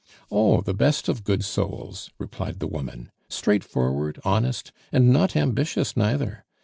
"Oh, the best of good souls," replied the woman, "straight forward, honest and not ambitious neither.